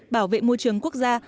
bảo vệ môi trường quốc gia